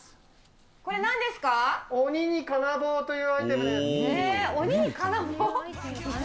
これ、鬼に金棒というアイテムです。